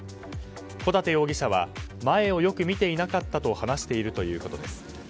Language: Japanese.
小舘容疑者は前をよく見ていなかったと話しているということです。